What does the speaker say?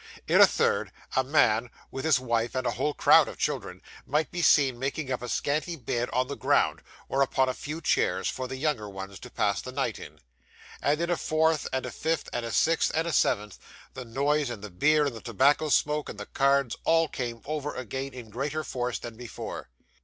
In a third, a man, with his wife and a whole crowd of children, might be seen making up a scanty bed on the ground, or upon a few chairs, for the younger ones to pass the night in. And in a fourth, and a fifth, and a sixth, and a seventh, the noise, and the beer, and the tobacco smoke, and the cards, all came over again in greater force than before.